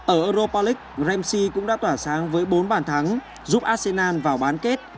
ở europa league ramsey cũng đã tỏa sáng với bốn bàn thắng giúp arsenal vào bán kết